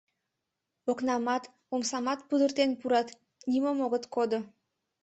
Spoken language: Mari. Окнамат, омсамат пудыртен пурат, нимом огыт кодо...